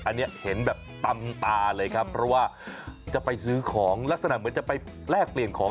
อันนี้เห็นแบบตำตาเลยครับเพราะว่าจะไปซื้อของลักษณะเหมือนจะไปแลกเปลี่ยนของ